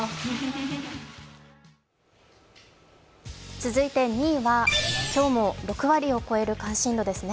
続いて２位は、今日も６割を超える関心度ですね。